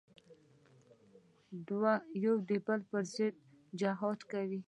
دواړه د يو بل پر ضد جهاد کوي.